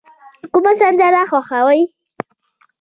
کومه سندره خوښوئ؟